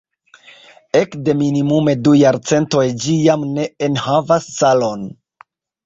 Ekde minimume du jarcentoj ĝi jam ne enhavas salon.